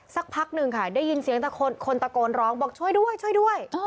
สักพักหนึ่งค่ะได้ยินเสียงคนตะโกนร้องบอกช่วยด้วยช่วยด้วย